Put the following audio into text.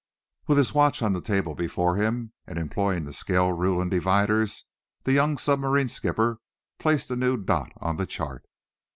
With his watch on the table before him, and employing the scale rule and dividers, the young submarine skipper placed a new dot on the chart.